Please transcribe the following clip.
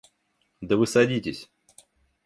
Да вы садитесь.